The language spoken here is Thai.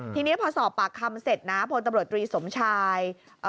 ทีนี้พอสอบปากคำเสร็จนะพลตำรวจตรีสมชาย